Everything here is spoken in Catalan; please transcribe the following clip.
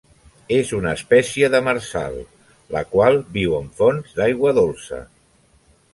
És una espècie demersal, la qual viu en fonts d'aigua dolça.